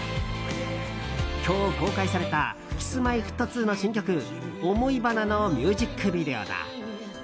今日公開されたＫｉｓ‐Ｍｙ‐Ｆｔ２の新曲「想花」のミュージックビデオだ。